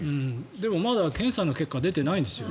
でもまだ検査の結果出てないんですよね。